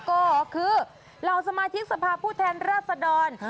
ก็คือเหล่าสมาชิกสภาพผู้แทนราชดร